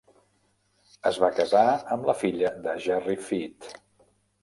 Es va casar amb la filla de Gerry FITT.